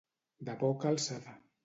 De poca alçada.